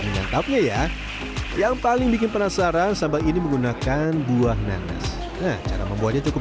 menyantapnya ya yang paling bikin penasaran sambal ini menggunakan buah nanas cara membuatnya cukup